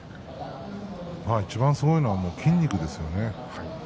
いちばんすごいのは筋肉ですよね。